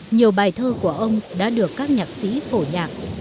nhiều bài thơ của ông đã được các nhạc sĩ phổ nhạc